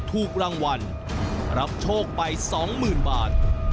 ถูกรางวัลรับโชคไปสองหมื่นบาท